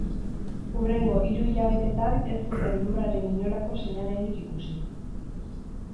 Hurrengo hiru hilabetetan ez zuten lurraren inolako seinalerik ikusi.